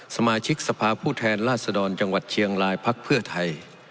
สมาชิกสภาพผู้แทนราชดรจังหวัดเชียงรายพักเพื่อไทย